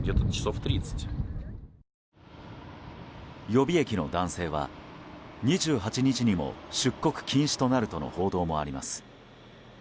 予備役の男性は２８日にも出国禁止となるとの報道もあります。